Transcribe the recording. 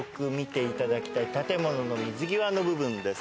建物の水際の部分です。